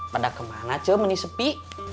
pada kemana ce menisepi